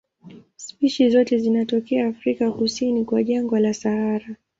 Spishi zote zinatokea Afrika kusini kwa jangwa la Sahara.